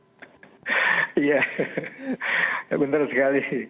iya benar sekali